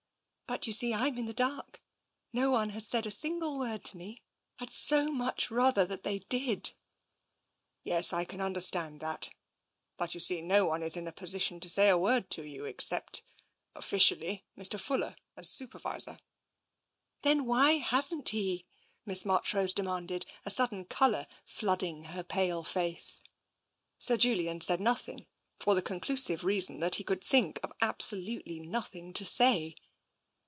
" But you see Fm in the dark. No one has said a single word to me. I'd so much rather they did." " Yes, I can understand that. But you see no one TENSION 251 is in a position to say a word to you, except — officially — Mr. Fuller as Supervisor." "Then why hasn't he? '' Miss Marchrose demanded, a sudden colour flooding her pale face. Sir Julian said nothing, for the conclusive reason that he could think of absolutely nothing to say.